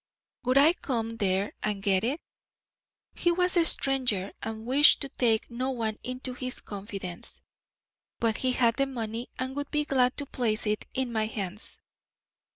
Would I come there and get it? He was a stranger and wished to take no one into his confidence, but he had the money and would be glad to place it in my hands.